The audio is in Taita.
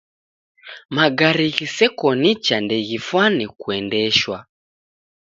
Magare ghiseko nicha ndeghifwane kuendeshwa.